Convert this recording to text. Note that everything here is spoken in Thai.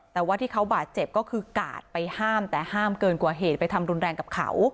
แต่ว่าที่เขาบาดเจ็บก็คือกาดไปห้ามแต่ห้ามเกินกว่าเหตุไปทำรุนแรงกับเขา